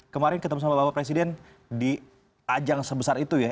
kemarin ketemu sama bapak presiden di ajang sebesar itu ya